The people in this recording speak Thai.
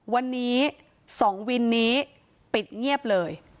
วันนี้๒วินนี้ปิดเงียบเลย